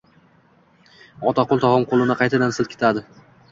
Otaqul tog‘am qo‘lini qaytadan siltadi: